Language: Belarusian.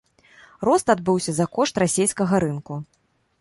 Рост адбыўся за кошт расейскага рынку.